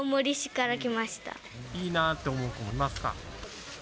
いいなって思う子いますか？